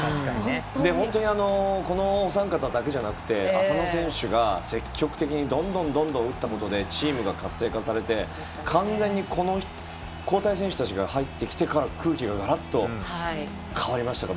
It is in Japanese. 本当に、このお三方だけじゃなく浅野選手が積極的にどんどん打ったことでチームが活性化されて完全に交代選手たちが入ってきてから空気がガラッと変わりましたから。